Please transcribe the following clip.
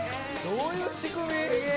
どういう仕組み？